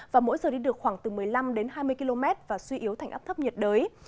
và mỗi giờ đi được khoảng từ một mươi năm đến hai mươi km và suy yếu thành áp thấp nhiệt đới